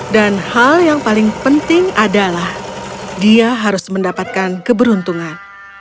dan hal yang paling penting adalah dia harus mendapatkan keberuntungan